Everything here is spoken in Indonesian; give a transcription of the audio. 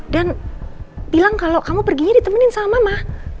dan bilang kalau kamu perginya ditemenin sama mama